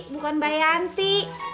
bukan mbak yanti